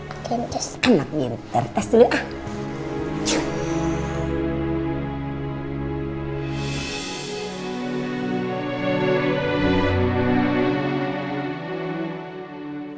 oke angin tertes dulu ah